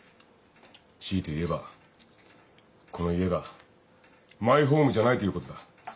強いて言えばこの家がマイホームじゃないということだ。